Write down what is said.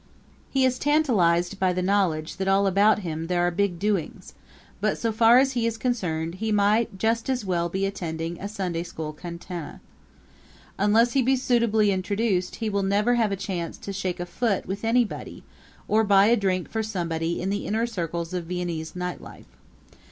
He is tantalized by the knowledge that all about him there are big doings, but, so far as he is concerned, he might just as well be attending a Sunday school cantata. Unless he be suitably introduced he will have never a chance to shake a foot with anybody or buy a drink for somebody in the inner circles of Viennese night life.